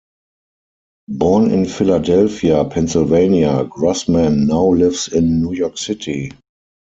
Born in Philadelphia, Pennsylvania, Grossman now lives in New York City.